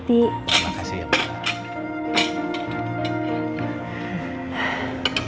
terima kasih ya pak